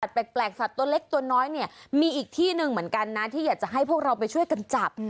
แปลกสัตว์ตัวเล็กตัวน้อยเนี่ยมีอีกที่หนึ่งเหมือนกันนะที่อยากจะให้พวกเราไปช่วยกันจับ